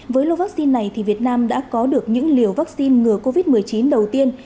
với lô vaccine này thì việt nam đã có được những liều vaccine ngừa covid một mươi chín đầu tiên